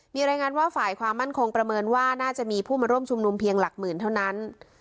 มีรายงานว่าฝ่ายความมั่นคงประเมินว่าน่าจะมีผู้มาร่วมชุมนุมเพียงหลักหมื่นเท่านั้น